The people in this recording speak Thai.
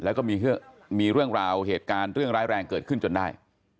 แล้วก็มีเรื่องราวเหตุการณ์เรื่องร้ายแรงเกิดขึ้นจนได้